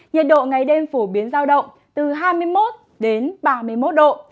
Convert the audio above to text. nhiệt độ ngày đêm phổ biến giao động từ hai mươi một đến ba mươi một độ